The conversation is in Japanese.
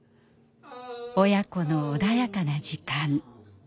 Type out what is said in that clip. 親子の穏やかな時間。